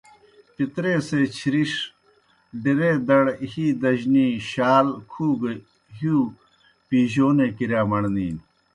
پِتریسےچِھرِݜ ڈیرے دڑ، ہِی دجنی، شال، کُھو گہ ہِیؤ پیجونے کِرِیا مڑنے نیْ۔